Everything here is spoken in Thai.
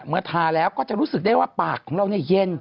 เมื่อทาแล้วก็จะรู้สึกได้ว่าปากของเราเย็น